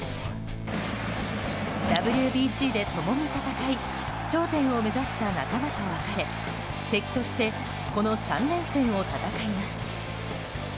ＷＢＣで共に戦い頂点を目指した仲間と別れ敵としてこの３連戦を戦います。